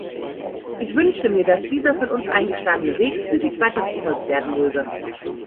Ich wünsche mir, dass dieser von uns eingeschlagene Weg zügig weiterverfolgt werden möge.